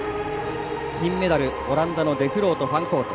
金メダル、オランダのデフロート、ファンコート。